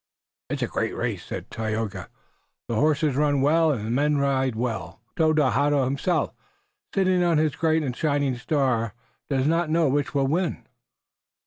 "It is a great race," said Tayoga. "The horses run well and the men ride well. Tododaho himself, sitting on his great and shining star, does not know which will win."